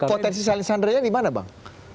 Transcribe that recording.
potensi saling sandera ini dimana bang